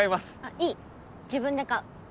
いい自分で買う。